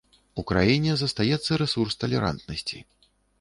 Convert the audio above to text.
У краіне застаецца рэсурс талерантнасці.